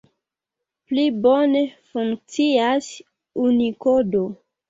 Pli bone funkcias Unikodo.